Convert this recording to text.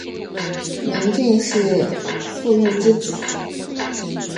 明俊是傅玉之子。